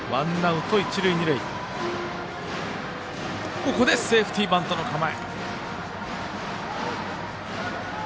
ここでセーフティーバントの構え。